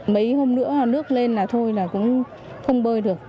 mấy hôm nữa nước lên là thôi là cũng không bơi được